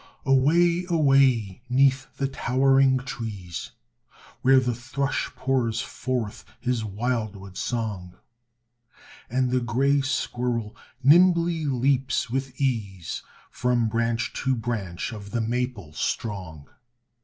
Away, away 'neath the towering trees, Where the thrush pours forth his wildwood song. And the grey squirrel nimbly leaps with ease, From branch to branch of the maple strong.